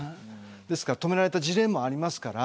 止められた事例もありますから。